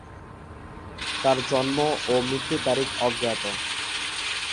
তার জন্ম ও মৃত্যু তারিখ অজ্ঞাত।